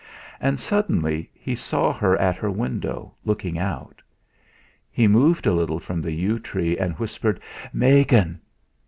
And suddenly he saw her at her window, looking out. He moved a little from the yew tree, and whispered: "Megan!"